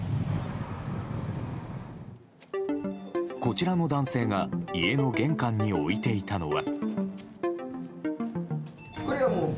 こちらの男性が家の玄関に置いていたのは。